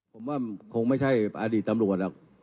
ผมว่าคงไม่ใช่อดีตตำรวจหรอก